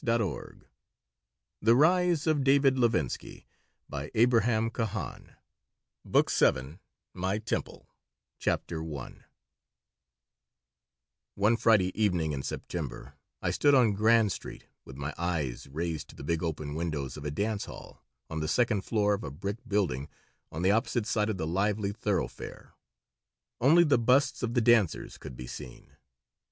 I do not remember ever seeing him in good humor BOOK VII MY TEMPLE CHAPTER I ONE Friday evening in September I stood on Grand Street with my eyes raised to the big open windows of a dance hall on the second floor of a brick building on the opposite side of the lively thoroughfare. Only the busts of the dancers could be seen.